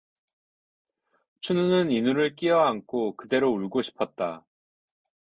춘우는 인우를 끼어안고 그대로 울고 싶었다.